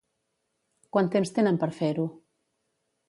Quant temps tenen per fer-ho?